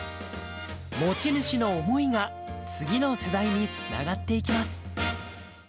持ち主の思いが次の世代につながっていきます。